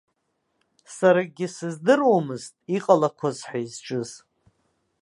Сара акгьы сыздыруамызт иҟалақәаз ҳәа изҿыз.